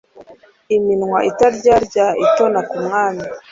iminwa itaryarya itona ku mwami